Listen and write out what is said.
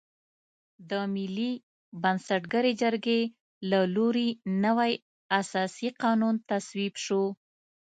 د ملي بنسټګرې جرګې له لوري نوی اساسي قانون تصویب شو.